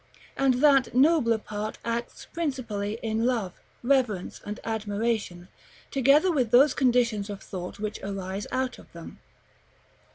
And that nobler part acts principally in love, reverence, and admiration, together with those conditions of thought which arise out of them.